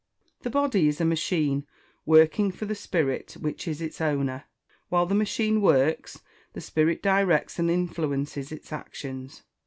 The body is a machine, working for the spirit, which is its owner. While the machine works, the spirit directs and influences its actions.